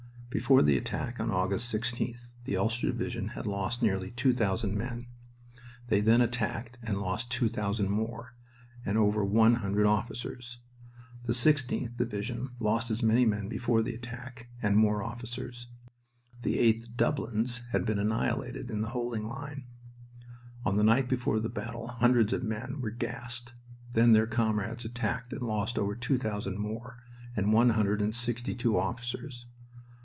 Before the attack on August 16th the Ulster Division had lost nearly two thousand men. Then they attacked and lost two thousand more, and over one hundred officers. The 16th Division lost as many men before the attack and more officers. The 8th Dublins had been annihilated in holding the line. On the night before the battle hundreds of men were gassed. Then their comrades attacked and lost over two thousand more, and one hundred and sixty two officers.